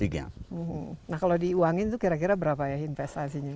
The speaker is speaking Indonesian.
nah kalau diuangin itu kira kira berapa ya investasinya